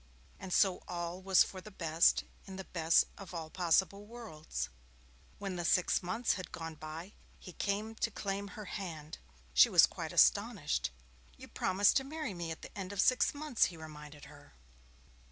And so all was for the best in the best of all possible worlds. When the six months had gone by, he came to claim her hand. She was quite astonished. 'You promised to marry me at the end of six months,' he reminded her.